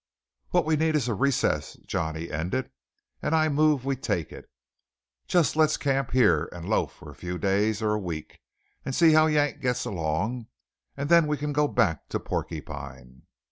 "What we need is a recess," Johnny ended, "and I move we take it. Just let's camp here, and loaf for a few days or a week, and see how Yank gets along, and then we can go back to Porcupine."